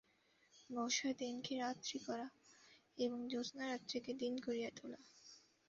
বর্ষার দিনকে রাত্রি করা এবং জ্যোংস্না রাত্রিকে দিন করিয়া তোলা।